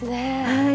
はい。